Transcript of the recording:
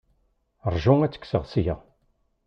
Ṛju ad t-kkseɣ ssya.